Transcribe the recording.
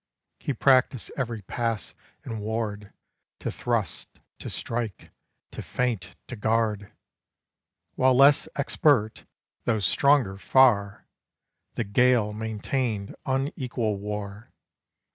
He practised every pass and ward, To thrust, to strike, to feint, to guard; While less expert, though stronger far, The Gael maintained unequal war.